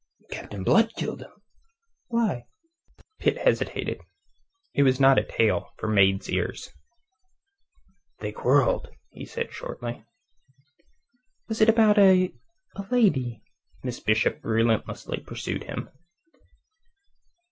"Captain Blood killed him." "Why?" Pitt hesitated. It was not a tale for a maid's ears. "They quarrelled," he said shortly. "Was it about a... a lady?" Miss Bishop relentlessly pursued him.